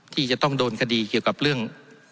ที่จะต้องโดนคดีเกี่ยวกับเรื่อง